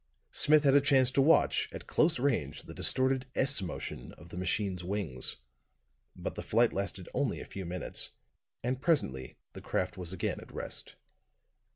Smith had a chance to watch, at close range, the distorted S motion of the machine's wings. But the flight lasted only a few minutes, and presently the craft was again at rest.